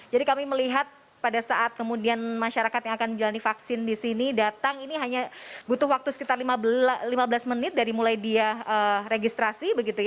jadi kami melihat pada saat kemudian masyarakat yang akan menjalani vaksin di sini datang ini hanya butuh waktu sekitar lima belas menit dari mulai dia registrasi